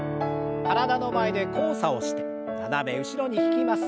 体の前で交差をして斜め後ろに引きます。